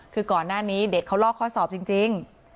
คือก่อนหน้านี้เด็กเขาลอกข้อสอบจริง